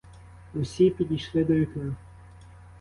Всі підійшли до вікна.